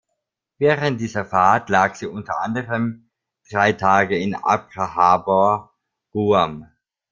Während dieser Fahrt lag sie unter anderem drei Tage in Apra Harbor, Guam.